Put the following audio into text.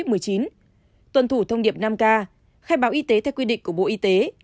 tổ chức vệ sinh khử khuẩn phòng covid một mươi chín tuân thủ thông điệp năm k khai báo y tế theo quy định của bộ y tế